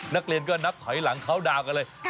นักเรียนก็นับถอยหลังเข้าดาวนกันเลย